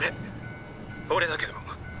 「俺俺だけど」